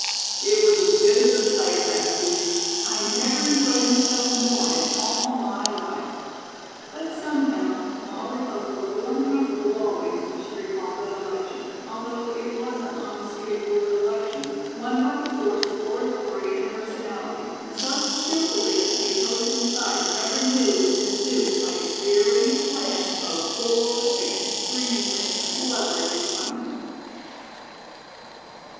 '" "It was as good as a play," laughed Judy. "I never enjoyed myself more in all my life." But, somehow, Molly felt a little uncomfortable always when she recalled that election, although it was an honest, straightforward election, won by the force of oratory and personality, and so skillfully that the opposing side never knew it had been duped by a prearranged plan of four extremely clever young women.